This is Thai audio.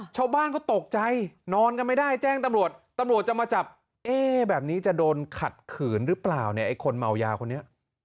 ชาวบ้านเขาตกใจนอนกันไม่ได้แจ้งตำรวจตำรวจจะมาจับเอ๊ะแบบนี้จะโดนขัดขืนหรือเปล่าเนี่ยไอ้คนเมายาคนนี้